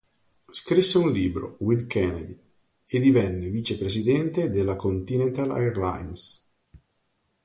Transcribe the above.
Scrisse un libro, "With Kennedy", e divenne vice-presidente della Continental Airlines.